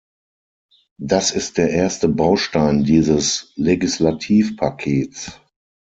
Das ist der erste Baustein dieses Legislativpakets.